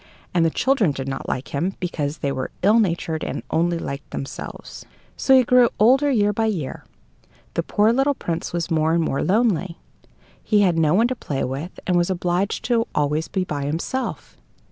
And the children did not like him, because they were ill natured and only liked themselves. So as he grew older year by year, the poor little Prince was more and more lonely. He had no one to play with, and was obliged to be always by himself.